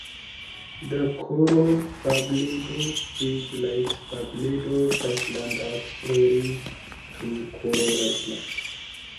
The Koror-Babeldaob Bridge links Babeldaob Island at Airai to Koror Island.